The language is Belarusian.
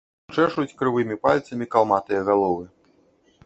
Чэшуць крывымі пальцамі калматыя галовы.